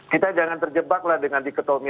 kita jangan terjebaklah dengan dikotomi